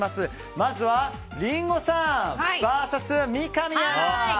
まずはリンゴさんＶＳ三上アナ。